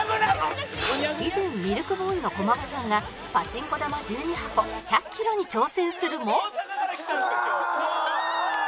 以前ミルクボーイの駒場さんがパチンコ玉１２箱１００キロに挑戦するもああーっ！